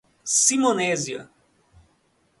Simonésia